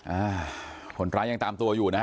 อ่าคนร้ายยังตามตัวอยู่นะฮะ